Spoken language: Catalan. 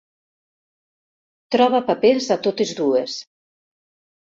Troba papers a totes dues.